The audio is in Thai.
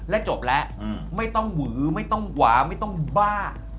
และจบแล้วไม่ต้องหวือไม่ต้องหวาไม่ต้องบ้า